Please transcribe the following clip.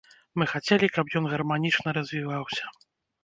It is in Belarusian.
Мы хацелі, каб ён гарманічна развіваўся.